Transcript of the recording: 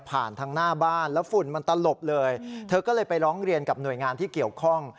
ทางหน้าบ้านแล้วฝุ่นมันตลบเลยเธอก็เลยไปร้องเรียนกับหน่วยงานที่เกี่ยวข้อง